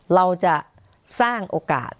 เราจะสร้างโอกาส